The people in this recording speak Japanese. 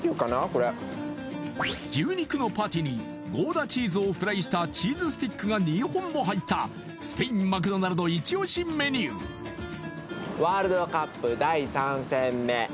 これ牛肉のパティにゴーダチーズをフライしたチーズスティックが２本も入ったスペインマクドナルドイチ押しメニューイチ押し